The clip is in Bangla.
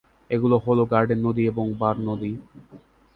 এগুলো হল গার্ডেন নদী এবং বার নদী।